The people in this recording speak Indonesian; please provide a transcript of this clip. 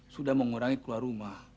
sudah mengurangi keluar rumah